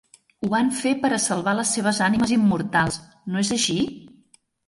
Ho van fer per a salvar les seves ànimes immortals, no és així?